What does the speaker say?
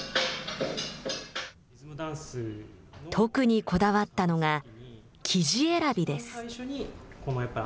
特にこだわったのが生地選びです。